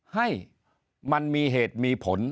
ให้มันมีเหตุมีผล